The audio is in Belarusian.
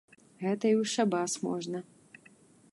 Гэта і ў шабас можна!